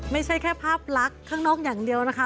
ไม่ใช่แค่ภาพลักษณ์ข้างนอกอย่างเดียวนะคะ